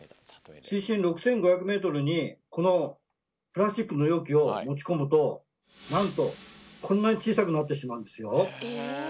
水深６，５００ｍにこのプラスチックの容器を持ちこむとなんとこんなに小さくなってしまうんですよ。